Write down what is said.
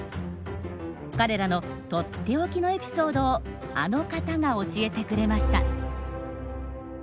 彼らの取って置きのエピソードをあの方が教えてくれました。